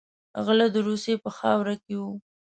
غله د روسیې په خاوره کې وو.